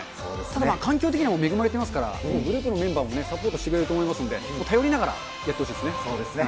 ただ、環境的には恵まれてますから、グループのメンバーもサポートしてくれると思いますんで、頼りなそうですね。